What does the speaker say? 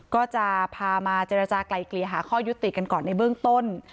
ก็จะพามาเจรจากลายเกลี่ยหาข้อยุติกันก่อนในเบื้องต้น